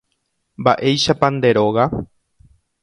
Mba'éichapa nde róga.